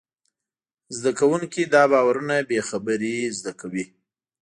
زدهکوونکي دا باورونه بېخبري زده کوي.